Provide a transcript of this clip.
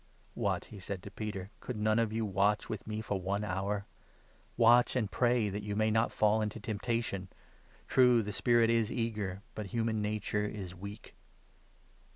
40 " What !" he said to Peter, " could none of you watch with me for one hour ? Watch and pray, that you may not fall into 41 temptation. True, the spirit is eager, but human nature is weak.